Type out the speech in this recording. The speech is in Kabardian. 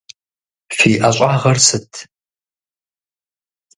Фи ӏэщӏагъэр сыт?